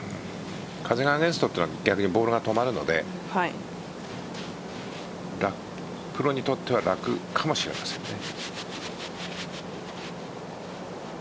風がアゲインストというのはボールが止まるのでプロにとっては楽かもしれませんね。